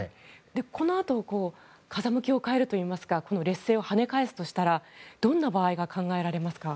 このあと風向きを変えるといいますか劣勢を跳ね返すとしたらどんな場合が考えられますか？